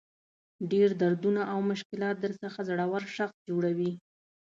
ډېر دردونه او مشکلات درڅخه زړور شخص جوړوي.